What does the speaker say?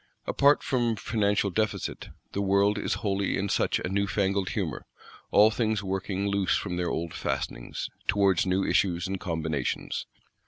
Apart from financial Deficit, the world is wholly in such a new fangled humour; all things working loose from their old fastenings, towards new issues and combinations.